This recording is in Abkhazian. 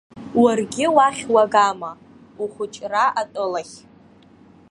Уаргьы уахь уагама, ухәыҷра атәылахь?